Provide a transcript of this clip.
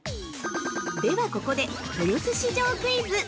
ではここで、豊洲市場クイズ！